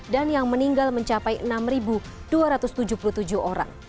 dan yang meninggal mencapai enam dua ratus tujuh puluh tujuh orang